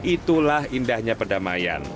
itulah indahnya perdamaian